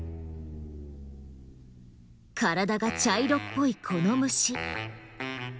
体が茶色っぽいこの虫。